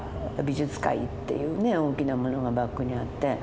美術界っていうね大きなものがバックにあって。